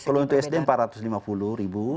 kalau untuk sd empat ratus lima puluh ribu